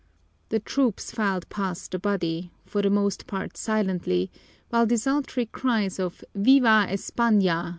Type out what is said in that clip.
The troops filed past the body, for the most part silently, while desultory cries of "_Viva España!